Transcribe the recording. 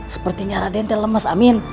sepertinya raden terlemes amin